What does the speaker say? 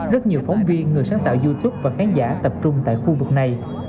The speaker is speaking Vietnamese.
rất nhiều phóng viên người sáng tạo youtube và khán giả tập trung tại khu vực này